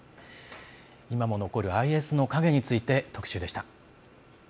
今も残るＩＳの影について特集でした。